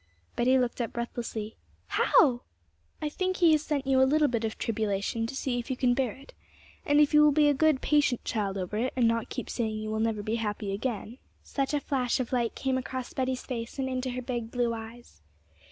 Betty looked up breathlessly. 'How?' 'I think He has sent you a little bit of tribulation to see if you can bear it, and if you will be a good, patient child over it, and not keep saying you will never be happy again.' Such a flash of light came across Betty's face, and into her big blue eyes.